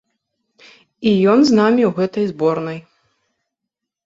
І ён з намі ў гэтай зборнай.